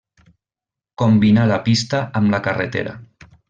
Combinà la pista amb la carretera.